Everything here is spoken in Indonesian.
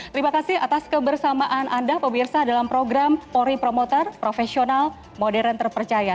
terima kasih atas kebersamaan anda pemirsa dalam program polri promoter profesional modern terpercaya